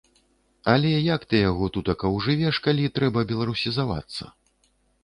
Але як ты яго тутака ўжывеш, калі трэба беларусізавацца.